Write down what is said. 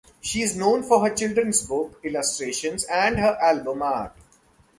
She is known for her children's book illustrations and her album art.